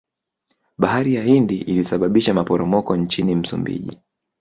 bahari ya hindi ilisababisha maporomoko nchini msumbiji